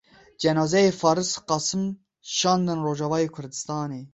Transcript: Cenazeyê Faris Qasim şandin Rojavayê Kurdistanê.